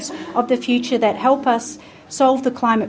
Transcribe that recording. yang membantu kita menyelesaikan masalah klimat